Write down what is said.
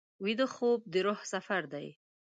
ویده خوب د روح سفر دی